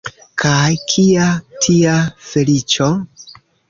Kaj kia tia feliĉo?